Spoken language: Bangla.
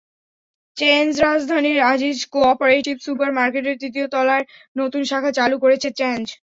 চেঞ্জরাজধানীর আজিজ কো-অপারেটিভ সুপার মার্কেটের তৃতীয় তলায় নতুন শাখা চালু করেছে চেঞ্জ।